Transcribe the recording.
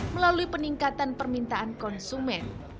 melalui peningkatan permintaan konsumen